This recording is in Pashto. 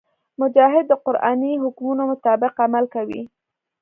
مجاهد د قرآني حکمونو مطابق عمل کوي.